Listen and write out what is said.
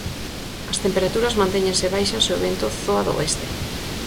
As temperaturas mantéñense baixas e o vento zoa do oeste.